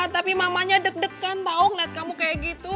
tapi mamanya deg deg kan tahu ngeliat kamu kayak gitu